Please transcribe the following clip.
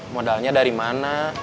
modalnya dari mana